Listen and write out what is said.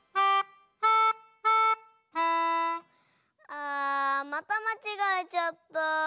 あまたまちがえちゃった。